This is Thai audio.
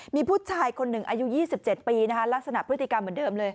มีผู้ชายคนหนึ่งอายุ๒๗ปีลักษณะพฤติกรรมเหมือนเดิมเลย